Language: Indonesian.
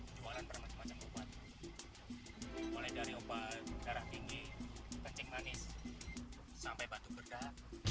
jualan bermacam macam ubat ubat darah tinggi kencing manis sampai batu berdah